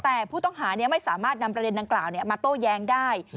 แต่ผู้ต้องหาไม่สามารถนำประเด็นดังกล่าวมาโต้แย้งได้